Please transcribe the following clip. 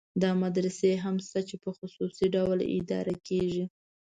داسې مدرسې هم شته چې په خصوصي ډول اداره کېږي.